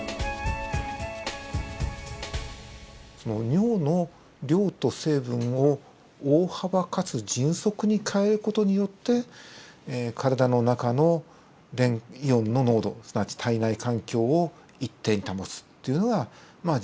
尿の量と成分を大幅かつ迅速に変える事によって体の中のイオンの濃度すなわち体内環境を一定に保つっていうのがまあ